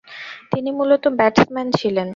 তিনি মূলতঃ ব্যাটসম্যান ছিলেন।